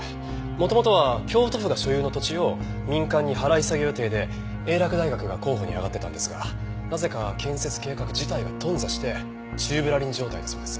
元々は京都府が所有の土地を民間に払い下げ予定で英洛大学が候補に挙がってたんですがなぜか建設計画自体が頓挫して宙ぶらりん状態だそうです。